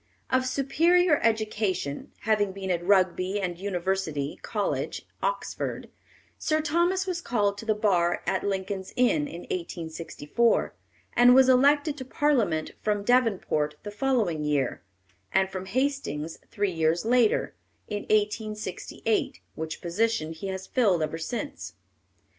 Of superior education, having been at Rugby and University College, Oxford, Sir Thomas was called to the bar at Lincoln's Inn in 1864, and was elected to Parliament from Devonport the following year, and from Hastings three years later, in 1868, which position he has filled ever since.